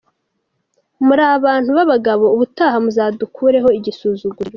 Murabantu babagabo ubutaha muzadukure ho igisuzuguriro.